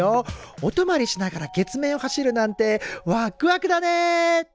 おとまりしながら月面を走るなんてわっくわくだね！